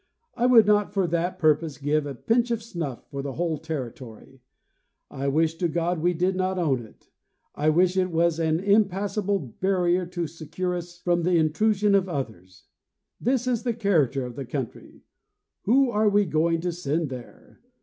I would not for that purpose give a pinch of snuff for the whole territory. I wish to God we did not own it. I wish it was an impassable barrier to: secure us from the intrusion of others. This is the character of the country. Who are we going to send there?